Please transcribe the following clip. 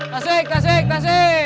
kasih kasih kasih